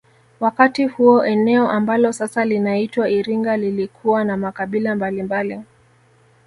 Wakati huo eneo ambalo sasa linaitwa Iringa lilikuwa na makabila mbalimbali